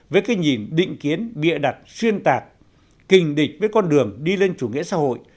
với cái nhìn định kiến bịa đặt xuyên tạc kình địch với con đường đi lên chủ nghĩa xã hội